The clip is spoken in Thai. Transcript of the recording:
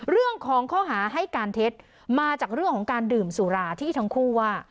เรื่องของข้อหาให้การเท็จมาจากเรื่องของการดื่มสุราที่ทั้งคู่ว่า